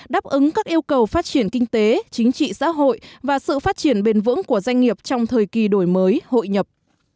đáp ứng các yêu cầu phát triển kinh tế chính trị xã hội và sự phát triển bền vững của doanh nghiệp trong thời kỳ đổi mới hội nhập